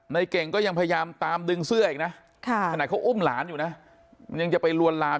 ในเก่งก็ยังพยายามตามดึงเสื้ออย่างนั้นขณะเขาอุ้มหลานอยู่นั้นมันจะไปลวนลาม